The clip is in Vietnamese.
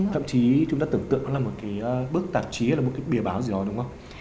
thậm chí chúng ta tưởng tượng đó là một cái bước tạp chí hay là một cái bìa báo gì đó đúng không